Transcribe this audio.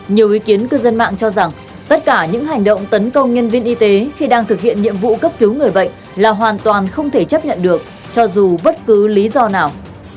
nhiều ý kiến cư dân mạng cho rằng tất cả những hành động tấn công nhân viên y tế khi đang thực hiện nhiệm vụ cấp cứu người bệnh là hoàn toàn không thể chấp nhận được cho dù bất cứ lý do nào